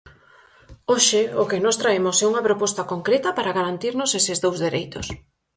Hoxe, o que nós traemos é unha proposta concreta para garantirmos eses dous dereitos.